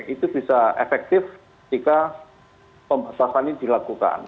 itu bisa efektif jika pembatasan ini dilakukan